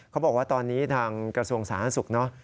เขาบอกว่าตอนนี้ทางกระทรวงสาธารณสุขเนอะ